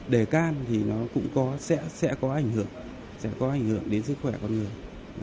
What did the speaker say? đề can thì nó cũng sẽ có ảnh hưởng sẽ có ảnh hưởng đến sức khỏe con người